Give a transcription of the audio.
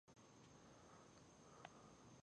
د پکتیکا خلک تل په مېړانې او مقاومت مشهور دي.